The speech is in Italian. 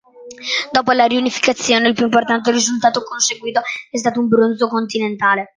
Dopo la riunificazione, il più importante risultato conseguito è stato un bronzo continentale.